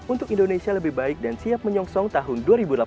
untuk indonesia lebih baik dan siap menyongsong tahun dua ribu delapan belas